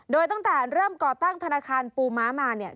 โดยตั้งแต่เริ่มก่อตั้งธนาคารปูม้ามาเนี่ย